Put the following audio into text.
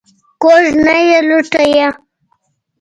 کوږ نه یې لوټه یې.